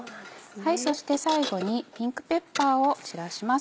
そして最後にピンクペッパーを散らします。